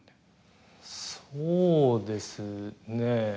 そうですね。